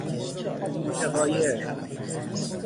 متغایر